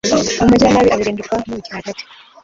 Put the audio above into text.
Umugiranabi abirindurwa n’uburyarya bwe